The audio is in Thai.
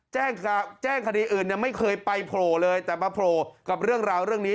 แจ้งทุกข้าวแจ้งคดีอื่นไม่เคยไปโผล่เลยแต่มาโผล่กับเรื่องราวเรื่องนี้